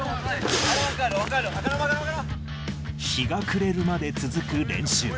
日が暮れるまで続く練習。